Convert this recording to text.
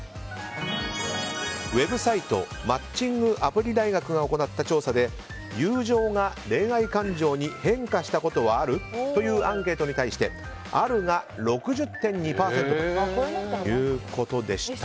ウェブサイトマッチングアプリ大学が行った調査で、友情が恋愛感情に変化したことはある？というアンケートに対してあるが６０．２％でした。